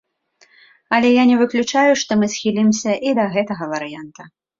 Але я не выключаю, што мы схілімся і да гэтага варыянта.